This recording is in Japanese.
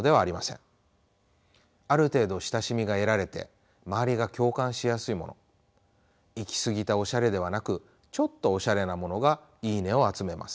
ある程度親しみが得られて周りが共感しやすいもの行き過ぎたおしゃれではなくちょっとおしゃれなものが「いいね」を集めます。